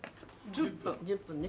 １０分ね。